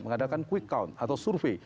mengadakan quick count atau survei